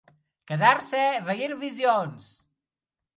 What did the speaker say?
Quedar-se veient visions.